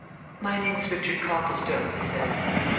"My name is Richard Copplestone," he said.